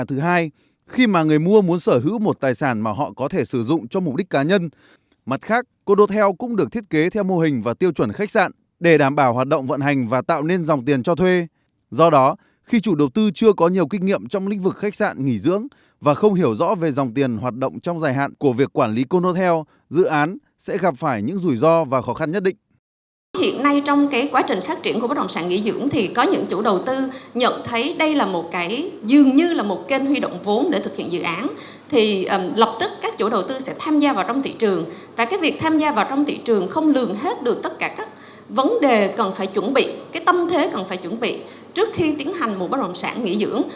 thì lập tức các chủ đầu tư sẽ tham gia vào trong thị trường và cái việc tham gia vào trong thị trường không lường hết được tất cả các vấn đề cần phải chuẩn bị cái tâm thế cần phải chuẩn bị trước khi tiến hành một bất đồng sản nghỉ dưỡng